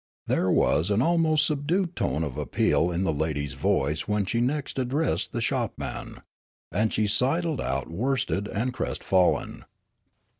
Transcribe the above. There was an almost subdued tone of appeal in the lady's voice when she next addressed the shop man ; and she sidled out worsted and crestfallen.